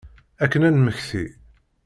Akken ad d-nemmekti.